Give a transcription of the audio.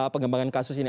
pengembangan kasus ini